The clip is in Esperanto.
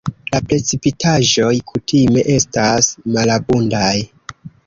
La precipitaĵoj kutime estas malabundaj.